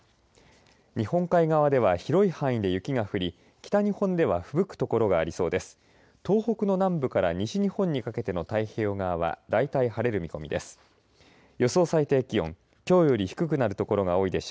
日本海側では広い範囲で雪が降り北日本では、ふぶく所がありそうです。